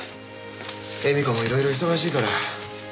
絵美子もいろいろ忙しいから。